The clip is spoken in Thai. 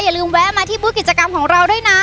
อย่าลืมแวะมาที่บึ๊กกิจกรรมของเราด้วยนะ